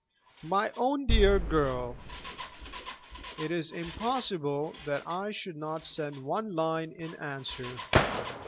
"MY OWN DEAR GIRL, It is impossible that I should not send one line in answer.